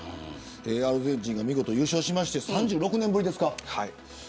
アルゼンチンが見事に優勝して３６年ぶりです。